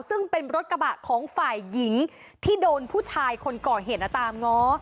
ซึ่งเป็นรถกระบะของฝ่ายหญิงที่โดนผู้ชายคนก่อเหตุตามง้อ